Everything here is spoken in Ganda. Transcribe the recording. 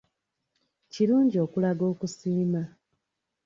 Kirungi okulaga okusiima.